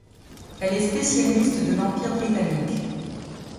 Elle est spécialiste de l'Empire britannique.